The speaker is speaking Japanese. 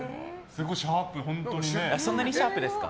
そんなにシャープですか。